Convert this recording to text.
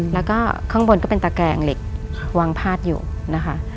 แล้วก็ข้างบนก็เป็นตะแกงเหล็กวางพาดอยู่นะคะ